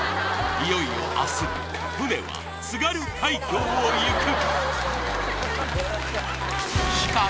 いよいよ明日舟は津軽海峡をいく！